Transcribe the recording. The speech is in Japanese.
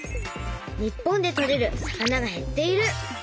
「日本でとれる魚が減っている」。